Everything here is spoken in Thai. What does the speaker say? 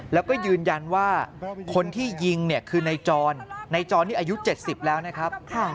แล้วก็ยืนยันว่าคนที่ยิงคือในจรในจรนี้อายุ๗๐แล้วนะครับ